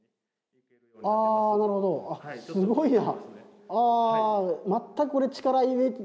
なるほど、すごいな。